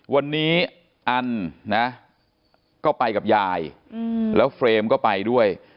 วันนี้อันนะก็ไปกับยายแล้วเฟรมก็ไปด้วย